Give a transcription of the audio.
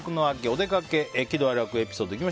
おでかけ喜怒哀楽エピソード。